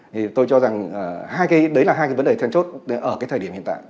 thì tôi cho rằng đấy là hai cái vấn đề thêm chốt ở cái thời điểm hiện tại